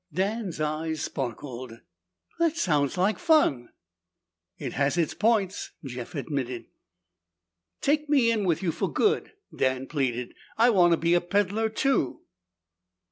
Dan's eyes sparkled. "That sounds like fun!" "It has its points," Jeff admitted. "Take me in with you for good!" Dan pleaded. "I want to be a peddler, too!"